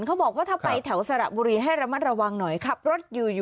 เขาบอกว่าถ้าไปแถวสระบุรีให้ระมัดระวังหน่อย